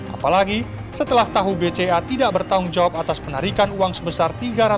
apalagi setelah tahu bca tidak bertanggung jawab atas penarikan uang sebesar